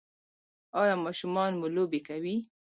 ایا ماشومان مو لوبې کوي؟